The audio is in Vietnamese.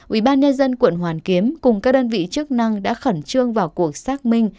ubnd quận hoàn kiếm cùng các đơn vị chức năng đã khẩn trương vào cuộc xác minh